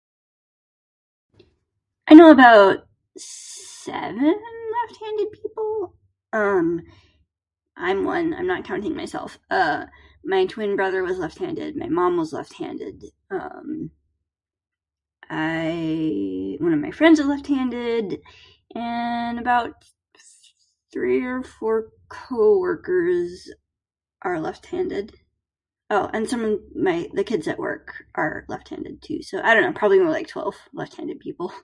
I know about seven left-handed people. Um, I'm one, I'm not counting myself. Uh, my twin brother was left handed, my mom was left-handed, um, I- one of my friends is left-handed, and about three or four co-workers are left-handed. Oh, and some of th- my- the kids at work are left-handed, too. So I dunno, probably like ten or twelve left-handed people.